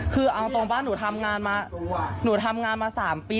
คือเอาตรงบ้านหนูทำงานมา๓ปี